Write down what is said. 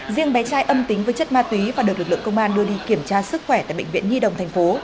riêng bé trai âm tính với chất ma túy và được lực lượng công an đưa đi kiểm tra sức khỏe tại bệnh viện nhi đồng thành phố